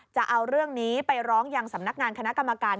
จะเอาเรื่องนี้ไปร้องยังสำนักงานคณะกรรมการ